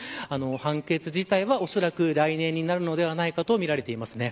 判決自体は、おそらく来年になるのではないかとみられています。